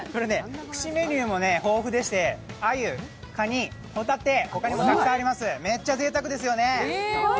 串メニューも豊富でして、あゆ、ホタテ、ほかにもたくさんあります、めっちゃぜいたくですよね。